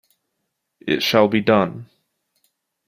It shall be done!